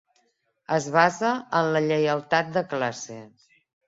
Es basa en la lleialtat de classe